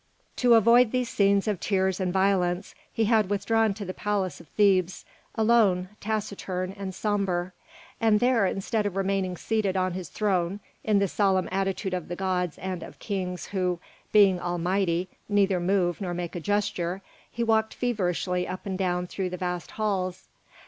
To avoid these scenes of tears and violence, he had withdrawn to the palace of Thebes, alone, taciturn, and sombre; and there, instead of remaining seated on his throne in the solemn attitude of the gods and of kings, who, being almighty, neither move nor make a gesture, he walked feverishly up and down through the vast halls.